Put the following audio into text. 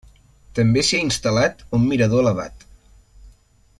També s'hi ha instal·lat un mirador elevat.